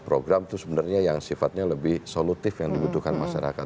program itu sebenarnya yang sifatnya lebih solutif yang dibutuhkan masyarakat